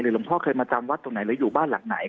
หลวงพ่อเคยมาจำวัดตรงไหนหรืออยู่บ้านหลังไหน